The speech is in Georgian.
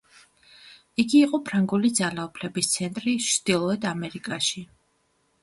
იგი იყო ფრანგული ძალაუფლების ცენტრი ჩრდილოეთ ამერიკაში.